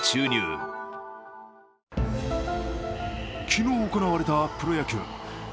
昨日行われたプロ野球。